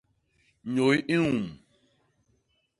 Nyôy i nhum.